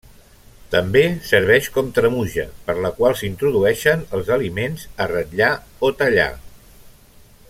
També serveix com tremuja per la qual s'introdueixen els aliments a ratllar o tallar.